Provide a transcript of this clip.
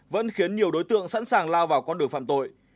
vẫn khiến nhiều đối tượng sẵn sàng lao vào con đường phạm tội